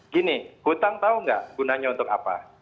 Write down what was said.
gini utang tau nggak gunanya untuk apa